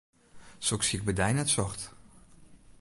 Soks hie ik by dy net socht.